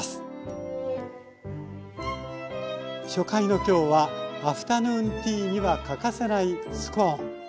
初回の今日はアフタヌーンティーには欠かせないスコーン。